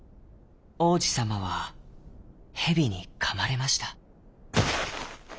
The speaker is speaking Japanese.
王子さまはヘビにかまれました。